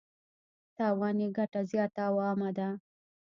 تاوان یې ګټه زیاته او عامه ده.